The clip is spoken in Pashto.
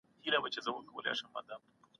په اوبو کې غوټه وهل د ژر عکس العمل سبب کېږي.